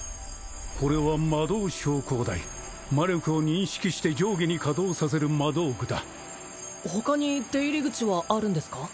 これは魔導昇降台魔力を認識して上下に稼働させる魔道具だ他に出入り口はあるんですか？